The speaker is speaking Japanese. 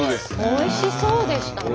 おいしそうだし。